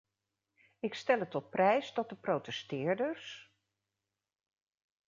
Ik stel het op prijs dat de protesteerders...